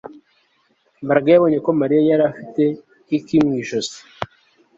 Mbaraga yabonye ko Mariya yari afite hickie mu ijosi